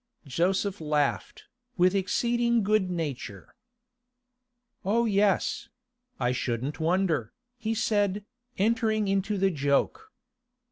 Joseph laughed, with exceeding good nature. 'Oh yes; I shouldn't wonder,' he said, entering into the joke.